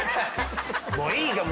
もういいから。